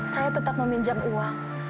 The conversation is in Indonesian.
saya tetap meminjam uang